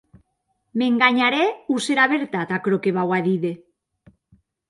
M’enganharè o serà vertat aquerò que vau a díder?